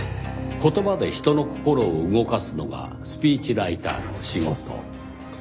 言葉で人の心を動かすのがスピーチライターの仕事。